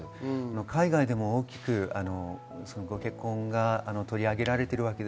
海外でも大きくご結婚が取り上げられています。